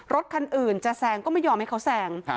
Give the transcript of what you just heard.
รถคันอื่นจะแซงก็ไม่ยอมให้เขาแซง